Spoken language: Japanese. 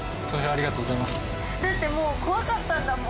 だってもう怖かったんだもん。